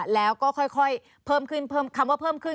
แล้วก็ค่อยเพิ่มขึ้นเพิ่มคำว่าเพิ่มขึ้น